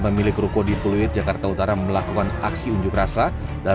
pemilik ruko di pluit jakarta utara melakukan aksi unjuk rasa dan